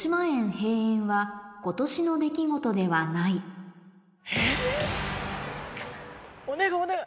閉園は今年の出来事ではないお願いお願い！